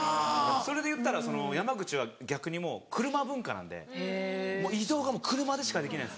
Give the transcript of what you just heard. それでいったら山口は逆にもう車文化なんで移動が車でしかできないんです。